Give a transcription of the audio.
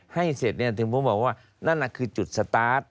ให้เสร็จถึงผมบอกว่านั่นคือจุดสตาร์ท